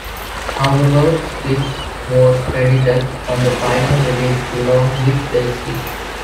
However, Spitz was credited on the final release along with Daisley.